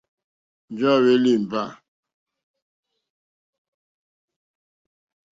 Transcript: Njɛ̂ à hwélí ìmbâ.